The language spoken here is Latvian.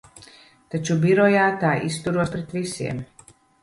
Taču birojā tā izturos pret visiem.